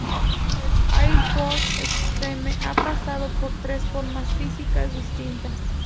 El AirPort Extreme ha pasado por tres formas físicas distintas.